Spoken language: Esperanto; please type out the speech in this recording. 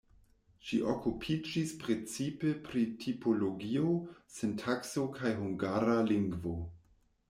Ŝi okupiĝis precipe pri tipologio, sintakso kaj hungara lingvo.